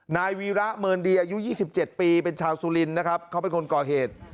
นายวีระเมินดีอายุ๒๗ปีเป็นชาวสุรินนะครับเขาเป็นคนก่อเหตุ